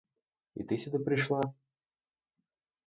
І ти сюди прийшла?